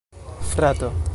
frato